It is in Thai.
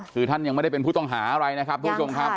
คือท่านยังไม่ได้เป็นผู้ต้องหาอะไรนะครับทุกผู้ชมครับ